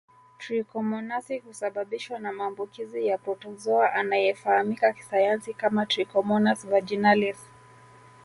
Trikomonasi husababishwa na maambukizi ya protozoa anayefahamika kisayansi kama trichomonas vaginalis